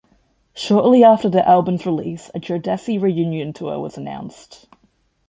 Shortly after the album's release, a Jodeci reunion tour was announced.